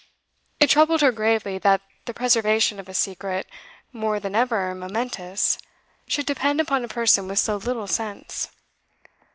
It troubled her gravely that the preservation of a secret more than ever momentous should depend upon a person with so little sense.